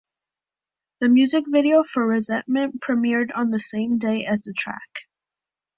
The music video for "Resentment" premiered on the same day as the track.